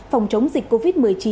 phòng chống dịch covid một mươi chín